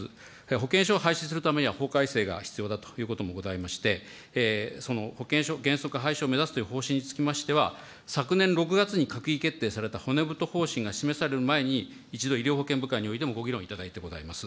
保険証を廃止するためには法改正が必要だということもございまして、保険証、原則廃止を目指すという方針につきましては、昨年６月に閣議決定された骨太方針が示される前に、一度、医療保険部会においてもご議論いただいてございます。